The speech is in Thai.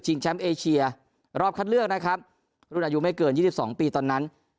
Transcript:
แชมป์เอเชียรอบคัดเลือกนะครับรุ่นอายุไม่เกิน๒๒ปีตอนนั้น